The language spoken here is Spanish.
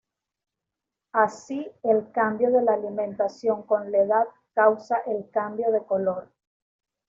Así el cambio de la alimentación con la edad causa el cambio de color.